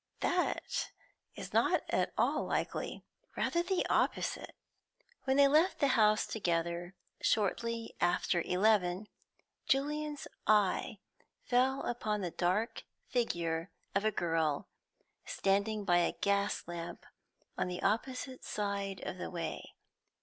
"That is not at all likely; rather the opposite." When they left the house together, shortly after eleven, Julian's eye fell upon the dark figure of a girl, standing by a gas lamp on the opposite side of the way.